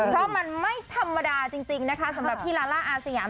เพราะมันไม่ธรรมดาจริงนะคะสำหรับพี่ลาล่าอาสยาม